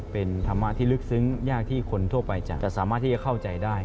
เป็นธรรมะที่ลึกซึ้งยากที่คนทั่วไปจะสามารถที่จะเข้าใจได้